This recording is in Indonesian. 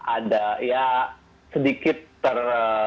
ada ya sedikit ter